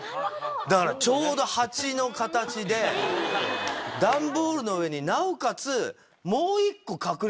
だからちょうど鉢の形でダンボールの上になおかつ。